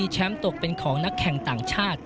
แชมป์ตกเป็นของนักแข่งต่างชาติ